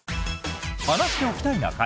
「話しておきたいな会」。